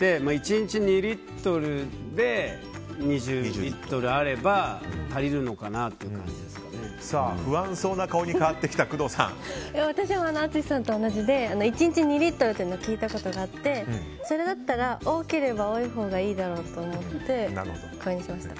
１日に２リットルで２０リットルあれば足りるのかなっていう不安そうな顔に変わってきた私も淳さんと同じで１日２リットルと聞いたことがあってそれだったら多ければ多いほうがいいだろうと思ってこれにしました。